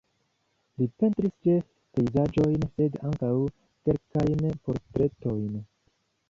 Li pentris ĉefe pejzaĝojn sed ankaŭ kelkajn portretojn.